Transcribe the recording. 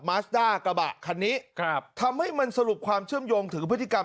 มาสด้ากระบะคันนี้ครับทำให้มันสรุปความเชื่อมโยงถึงพฤติกรรม